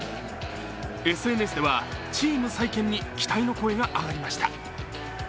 ＳＮＳではチーム再建に期待の声が上がりました。